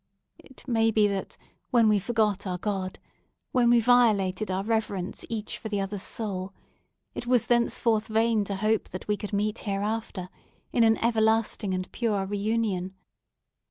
It may be, that, when we forgot our God—when we violated our reverence each for the other's soul—it was thenceforth vain to hope that we could meet hereafter, in an everlasting and pure reunion.